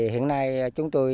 hiện nay chúng tôi